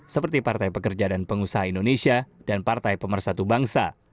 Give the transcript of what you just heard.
seperti partai pekerja dan pengusaha indonesia dan partai pemersatu bangsa